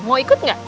mau ikut gak